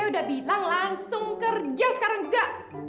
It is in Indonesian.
dia bilang langsung kerja sekarang juga